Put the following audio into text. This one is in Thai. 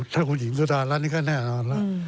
ถ้าคุณหญิงสุดารัฐนี่ก็แน่นอนแล้ว